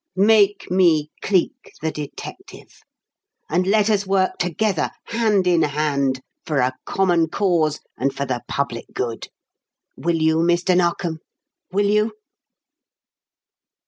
Make me Cleek, the detective, and let us work together, hand in hand, for a common cause and for the public good. Will you, Mr. Narkom? Will you?"